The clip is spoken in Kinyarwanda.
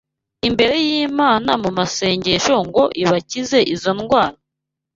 imbere y’Imana mu masengesho ngo ibakize izo ndwara?